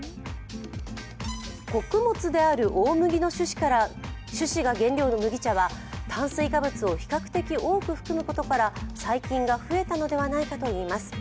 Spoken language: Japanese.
穀物である大麦の種子が原料の麦茶は炭水化物を比較的多く含むことから細菌が増えたのではないかといいます。